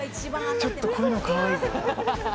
ちょっとこういうのかわいいぞ。